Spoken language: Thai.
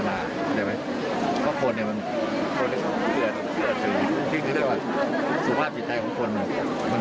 ไม่ได้ไปดูแลให้ดี